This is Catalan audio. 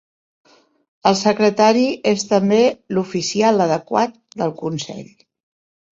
El secretari és també "l'oficial adequat" del Consell.